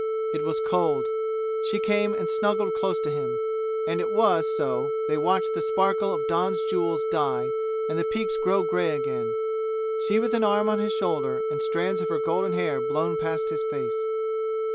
It was cold. She came and snuggled close to him, and it was so they watched the sparkle of dawn's jewels die and the peaks grow gray again, she with an arm on his shoulder and strands of her golden hair blown past his face.